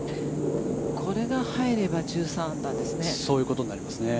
これが入れば１３アンダーですね。